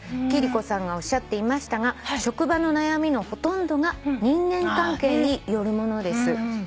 「貴理子さんがおっしゃっていましたが職場の悩みのほとんどが人間関係によるものです」